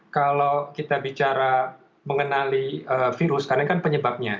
kalau kita bicara mengenali virus karena kan penyebabnya